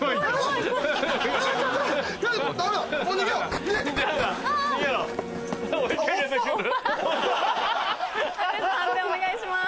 判定お願いします。